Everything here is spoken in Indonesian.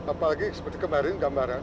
apalagi seperti kemarin gambaran